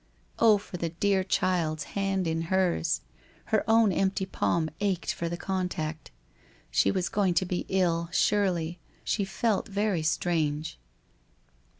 ... Oh, for the dear child's hand in hers ! Her own empty palm ached for the contact. She was going to be ill, surely — she felt very strange.